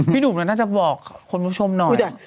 พี่หนุ่มแล้วน่าจะบอกคุณผู้ชมหน่อย